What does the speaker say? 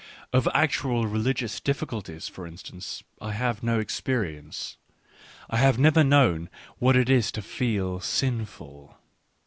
Of actual religious diffi culties, for instance, I have no experience. I have never known what it is to feel " sinful."